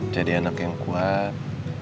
jadi anak yang kuat